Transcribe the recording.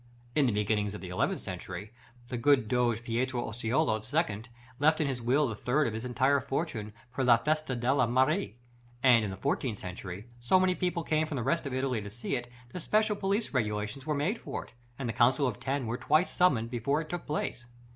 In the beginning of the eleventh century, the good Doge Pietro Orseolo II. left in his will the third of his entire fortune "per la Festa della Marie;" and, in the fourteenth century, so many people came from the rest of Italy to see it, that special police regulations were made for it, and the Council of Ten were twice summoned before it took place.